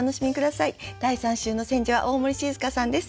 第３週の選者は大森静佳さんです。